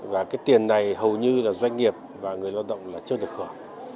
và cái tiền này hầu như doanh nghiệp và người lao động chưa được khởi